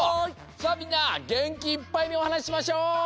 さあみんなげんきいっぱいにおはなししましょう！